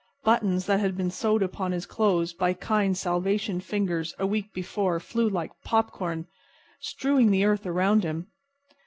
Buttons that had been sewed upon his clothes by kind Salvation fingers a week before flew like popcorn, strewing the earth around him.